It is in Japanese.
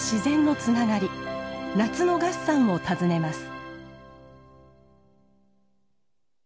夏の月山を訪ねます。